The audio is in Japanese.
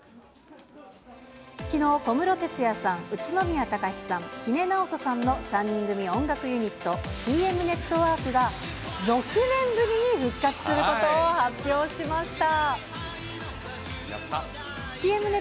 きのう、小室哲哉さん、宇都宮隆さん、木根尚登さんの３人組音楽ユニット、ＴＭＮＥＴＷＯＲＫが６年ぶりに復活することを発表しました。